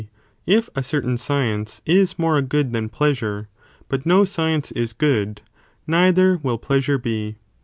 if a certain science is more beeen a good than pleasure, but no science is good, nei _ ther will pleasure be.